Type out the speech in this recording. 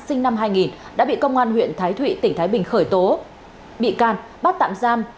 sinh năm hai nghìn đã bị công an huyện thái thụy tỉnh thái bình khởi tố bị can bắt tạm giam